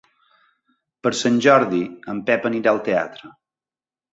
Per Sant Jordi en Pep anirà al teatre.